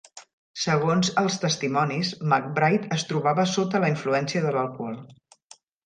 Segons els testimonis, McBride es trobava sota la influència de l'alcohol.